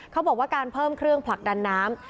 เขาบอกว่าการเพิ่มเครื่องผลักดันน้ำ